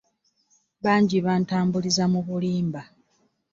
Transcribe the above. Bangi bantambulizza mu bulimba.